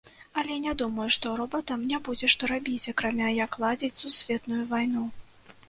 Але, не думаю, што робатам не будзе што рабіць, акрамя як ладзіць сусветную вайну.